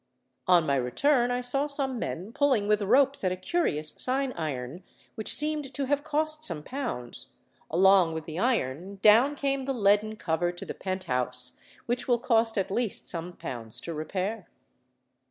On my return I saw some men pulling with ropes at a curious sign iron, which seemed to have cost some pounds: along with the iron down came the leaden cover to the pent house, which will cost at least some pounds to repair."